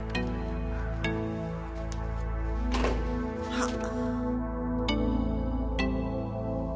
あっ。